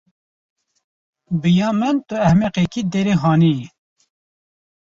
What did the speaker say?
Bi ya min tu ehmeqekî derê hanê yî.